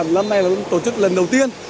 năm nay là tổ chức lần đầu tiên